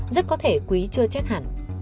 rất có thể quý chưa chết hẳn